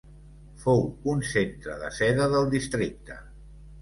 Fou un centre de seda del districte.